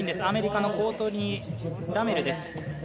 アメリカのコートニー・ラメルです